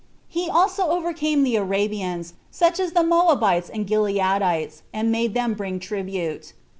He also overcame the Arabians, such as the Moabites and Gileadites, and made them bring tribute.